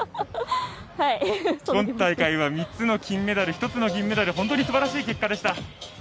今大会は３つの金メダル１つの銀メダルと本当にすばらしい結果でした。